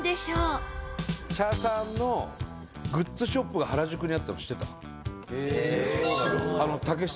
伊達：茶さんのグッズショップが原宿にあったの知ってた？